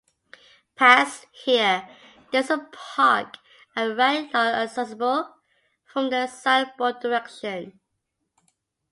Past here, there is a park and ride lot accessible from the southbound direction.